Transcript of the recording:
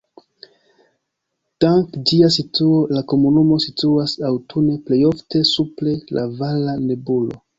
Dank ĝia situo la komunumo situas aŭtune plej ofte super la vala nebulo.